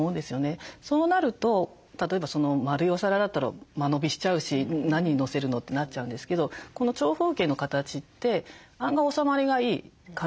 そうなると例えば丸いお皿だったら間延びしちゃうし何のせるの？ってなっちゃうんですけどこの長方形の形って案外おさまりがいい感じなんですね。